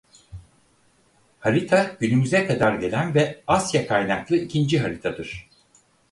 Harita günümüze kadar gelen ve Asya kaynaklı ikinci haritadır.